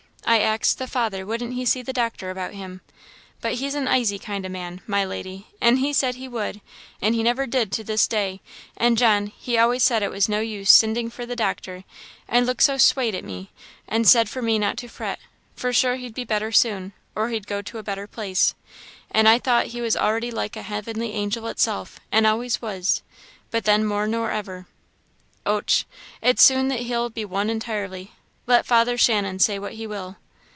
I axed the father wouldn't he see the doctor about him, but he's an aisy kind o' man, my lady, an' he said he would, an' he never did to this day; an' John, he always said it was no use sinding for the doctor, an' looked so swate at me, an' said for me not to fret, for sure he'd be better soon, or he'd go to a better place. An' I thought he was already like a heavenly angel itself, an' always was, but then more nor ever. Och! it's soon that he'll be one entirely! let Father Shannon say what he will."